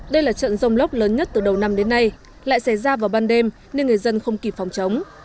đây là trận rông lốc lớn nhất từ đầu năm đến nay lại xảy ra vào ban đêm nên người dân không kịp phòng chống